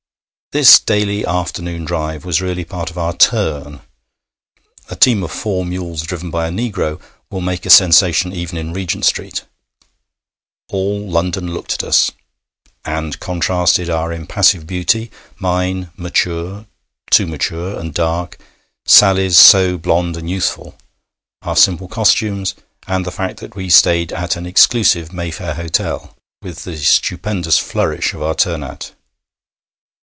This daily afternoon drive was really part of our 'turn'! A team of four mules driven by a negro will make a sensation even in Regent Street. All London looked at us, and contrasted our impassive beauty mine mature (too mature!) and dark, Sally's so blonde and youthful, our simple costumes, and the fact that we stayed at an exclusive Mayfair hotel, with the stupendous flourish of our turnout.